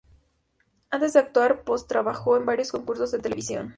Antes de actuar Post trabajó en varios concursos de televisión.